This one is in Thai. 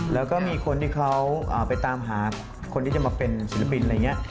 แล้วก็มีคนที่เขาไปตามหาคนที่จะมาเป็นศิลปินอะไรอย่างนี้